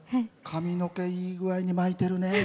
髪の毛、いい具合に巻いてるね。